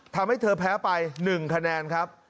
ทำให้เธอแพ้ไป๑คะแนนครับ